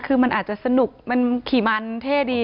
คือมันอาจจะสนุกมันขี่มันเท่ดี